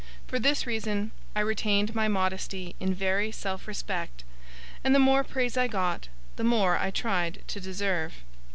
For this reason, I retained my modesty in very self respect; and the more praise I got, the more I tried to deserve.